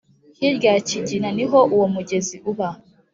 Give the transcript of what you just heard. Hirya ya Kigina niho uwo mugezi uba